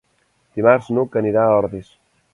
Dimarts n'Hug anirà a Ordis.